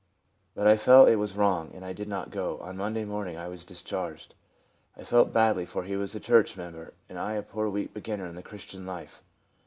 But I felt it was wrong, and did not go. On Monday morning I was discharged. I felt badly, for he was a church member, and I a poor weak beginner in the Christian life.